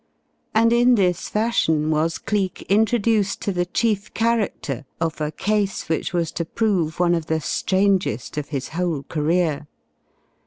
And in this fashion was Cleek introduced to the chief character of a case which was to prove one of the strangest of his whole career.